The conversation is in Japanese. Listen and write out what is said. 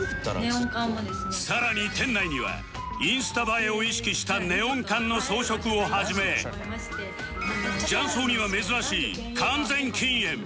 さらに店内にはインスタ映えを意識したネオン管の装飾を始め雀荘には珍しい完全禁煙